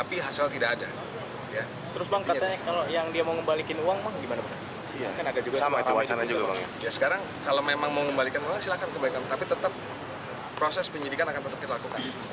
berita berita yang menyampaikan bahwa dia akan mengembalikan uang korban yang ditipu